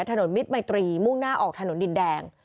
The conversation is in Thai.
มิตรมัยตรีมุ่งหน้าออกถนนดินแดง